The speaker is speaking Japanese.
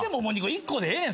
１個でええねん。